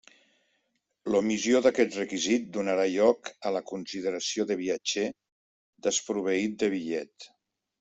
L'omissió d'aquest requisit donarà lloc a la consideració de viatger desproveït de bitllet.